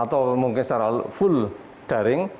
atau mungkin secara full daring